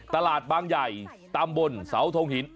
ตลาดบางใหญ่ตำบลเสาทงหิน